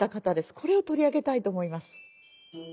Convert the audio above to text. これを取り上げたいと思います。